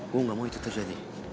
gue gak mau itu terjadi